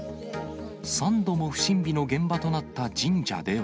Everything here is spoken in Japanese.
３度も不審火の現場となった神社では。